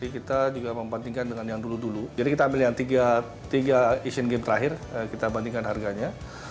kita juga membandingkan dengan yang dulu dulu jadi kita ambil yang tiga asian games terakhir kita bandingkan harganya